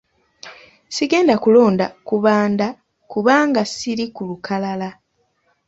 Sigenda kulonda kubanda kubanga siri ku lukalala.